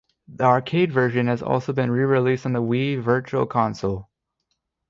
The arcade version has also been re-released on the Wii Virtual Console.